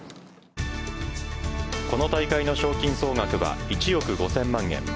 この大会の賞金総額は１億５０００万円。